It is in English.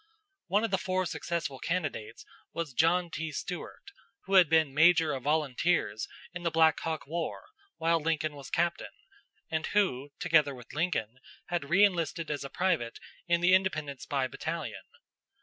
One of the four successful candidates was John T. Stuart, who had been major of volunteers in the Black Hawk War while Lincoln was captain, and who, together with Lincoln, had reënlisted as a private in the Independent Spy Battalion.